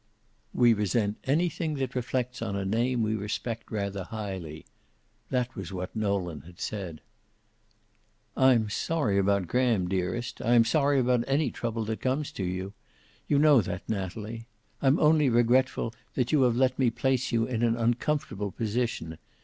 "We resent anything that reflects on a name we respect rather highly." That was what Nolan had said. "I'm sorry about Graham, dearest. I am sorry about any trouble that comes to you. You know that, Natalie. I'm only regretful that you have let me place you in an uncomfortable position.